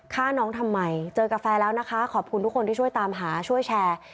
ฆ่าน้องทำไมเจอกาแฟแล้วนะคะขอบคุณทุกคนที่ช่วยตามหาช่วยแชร์